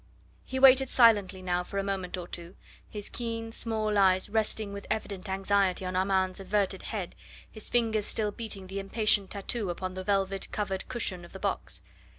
He waited silently now for a moment or two, his keen, small eyes resting with evident anxiety on Armand's averted head, his fingers still beating the impatient tattoo upon the velvet covered cushion of the box.